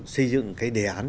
xây dựng cái đề án